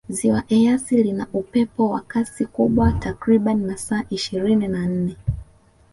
ziwa eyasi lina upepo wa Kasi kubwa takribani masaa ishirini na nne